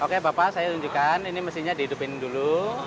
oke bapak saya tunjukkan ini mestinya dihidupin dulu